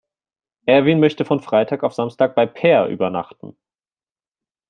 Erwin möchte von Freitag auf Samstag bei Peer übernachten.